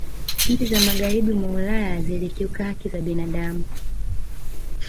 nchi za magharibi mwa ulaya zilikiuka haki za binadamu